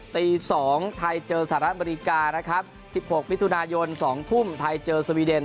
ตี๒ไทยเจอสหรัฐอเมริกานะครับ๑๖มิถุนายน๒ทุ่มไทยเจอสวีเดน